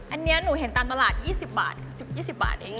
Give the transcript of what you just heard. อันนี้หนูเห็นตามตลาด๒๐บาท๑๐๒๐บาทเอง